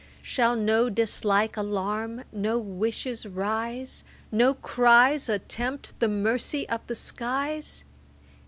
Shall no dislike alarm, no wishes rise, No cries attempt the mercy of the skies?